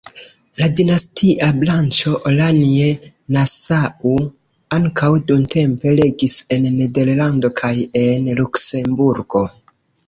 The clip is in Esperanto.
La dinastia branĉo Oranje-Nassau ankaŭ dumtempe regis en Nederlando kaj en Luksemburgo.